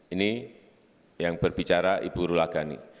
ini yang berbicara ibu rula ghani